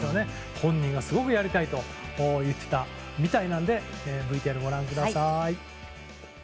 本人がすごくやりたいと言っていたみたいなのでＶＴＲご覧ください。